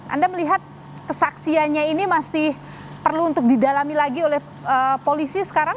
anda melihat kesaksiannya ini masih perlu untuk didalami lagi oleh polisi sekarang